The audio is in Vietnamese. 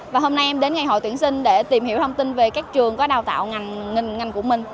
và hôm nay em đến ngày hội tuyển sinh để tìm hiểu thông tin về các trường có đào tạo ngành của mình